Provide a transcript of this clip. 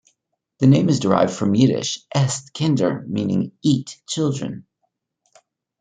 The name is derived from Yiddish "esst, kinder", meaning "eat, children".